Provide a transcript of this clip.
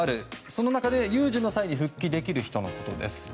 その中で有事の際に復帰できる人のことです。